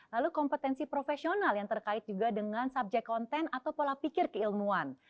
lalu kompetensi profesional yang terkait juga dengan subjek konten atau pola pikir keilmuan